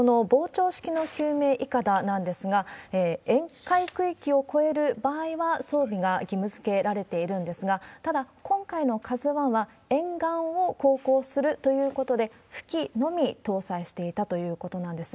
この膨張式の救命いかだなんですが、沿海区域を超える場合は、装備が義務づけられているんですが、ただ、今回のＫＡＺＵＩは、沿岸を航行するということで、浮器のみ搭載していたということなんです。